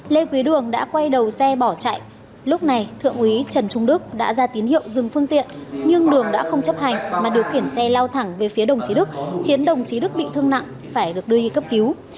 lê quý đường đã quay đầu xe bỏ chạy lúc này thượng úy trần trung đức đã ra tín hiệu dừng phương tiện nhưng đường đã không chấp hành mà điều khiển xe lao thẳng về phía đồng chí đức khiến đồng chí đức bị thương nặng phải được đưa đi cấp cứu